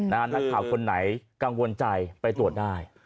นักข่าวคนไหนกังวลใจไปตรวจได้